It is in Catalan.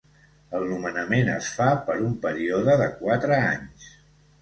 El nomenament es fa per un període de quatre anys.